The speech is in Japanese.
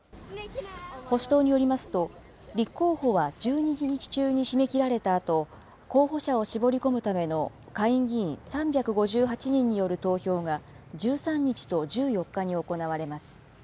保守党によりますと、立候補は１２日中に締め切られたあと、候補者を絞り込むための下院議員３５８人による投票が、１３日と１４日に行われます。